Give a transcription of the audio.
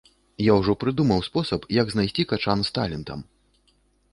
Я ўжо прыдумаў спосаб, як знайсці качан з талентам.